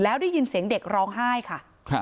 แล้วได้ยินเสียงเด็กร้องไห้ค่ะ